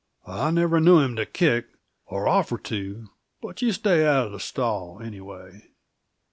"I never knew him to kick, or offer to; but you stay out of the stall, anyway.